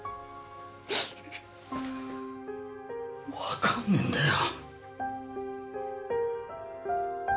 わかんねえんだよ。